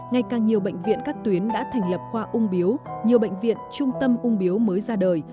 ngày càng nhiều bệnh viện các tuyến đã thành lập khoa ung biếu nhiều bệnh viện trung tâm ung biếu mới ra đời